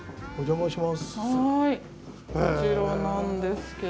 お邪魔します。